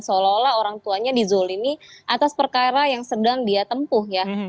seolah olah orang tuanya dizolimi atas perkara yang sedang dia tempuh ya